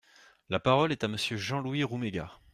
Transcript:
La parole est à Monsieur Jean-Louis Roumegas.